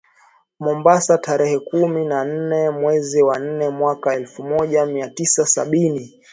Mombasa tarehe kumi na nane mwezi wa nane mwaka elfu moja mia tisa sabini